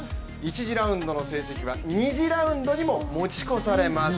１次ラウンドの成績は２次ラウンドにも持ち越されます。